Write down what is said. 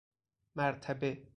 مرتبه